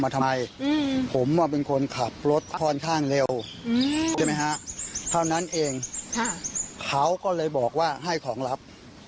เสร็จของรับ